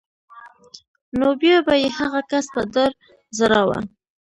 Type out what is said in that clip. نو بیا به یې هغه کس په دار ځړاوه